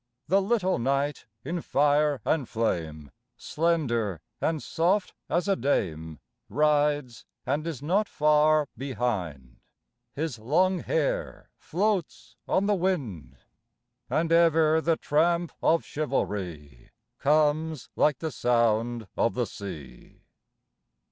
The little knight in fire and flame, Slender and soft as a dame, Rides and is not far behind : His long hair floats on the wind. And ever the tramp of chivalry Comes like the sound of the sea.